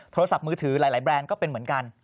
โทรศัพท์มือถือหลายแบรนด์ก็เป็นเหมือนกัน